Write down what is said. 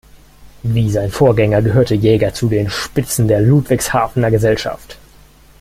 Wie sein Vorgänger gehörte Jaeger zu den Spitzen der Ludwigshafener Gesellschaft.